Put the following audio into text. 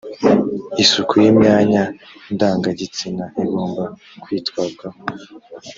isuku y ‘imyanya ndangagitsina igomba kwitabwaho.